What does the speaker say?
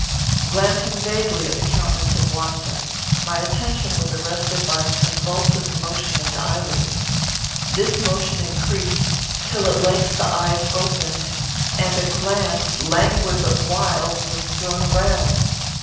Glancing vaguely at the countenance of Watson, my attention was arrested by a convulsive motion in the eyelids. This motion increased, till at length the eyes opened, and a glance, languid but wild, was thrown around.